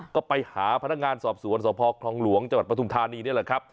ก็ไปหาพนักงานสอบสวนสพคลองหลวงจังหวัดปทุมธานีนี่แหละครับ